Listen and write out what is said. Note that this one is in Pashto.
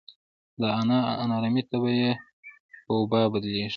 د نا ارامۍ تبه یې په وبا بدلېږي.